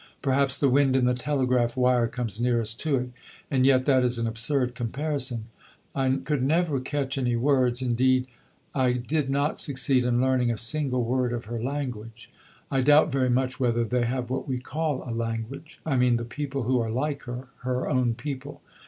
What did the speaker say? Perhaps the wind in the telegraph wire comes nearest to it, and yet that is an absurd comparison. I could never catch any words; indeed I did not succeed in learning a single word of her language. I doubt very much whether they have what we call a language I mean the people who are like her, her own people.